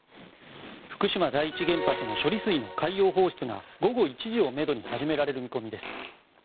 福島第一原発の処理水の海洋放出が午後１時をめどに始められる見込みです。